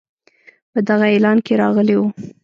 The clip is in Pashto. په دغه اعلان کې راغلی وو.